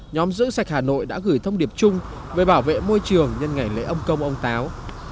nhóm giữ sạch hà nội đã gửi thông điệp chung về bảo vệ môi trường nhân ngày lễ ông công ông táo